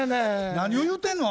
何を言うてんの？